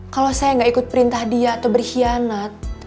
kalo saya gak ikut perintah dia atau berkhianat